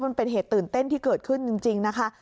มันเป็นเหตุตื่นเต้นที่เกิดขึ้นจริงนะคะ